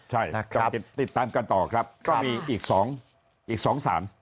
ใช่ต้องติดตามกันต่อครับก็มีอีก๒สาร